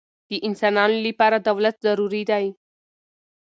د انسانانو له پاره دولت ضروري دئ.